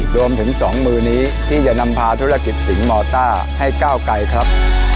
รวมถึง๒มือนี้ที่จะนำพาธุรกิจสิงหมอต้าให้ก้าวไกลครับ